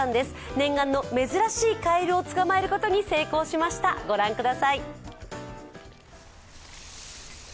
念願の珍しいカエルをつかまえることに成功しました、ご覧ください。